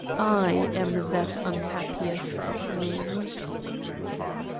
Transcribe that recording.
I am that unhappiest of men."